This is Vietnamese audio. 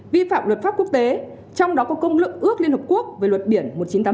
vi phạm luật pháp quốc tế trong đó có công lượng ước liên hợp quốc về luật biển một nghìn chín trăm tám mươi hai